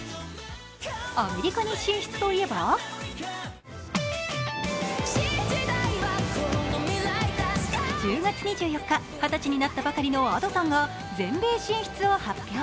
アメリカに進出といえば１０月２４日、２０歳になったばかりのＡｄｏさんが全米進出を発表。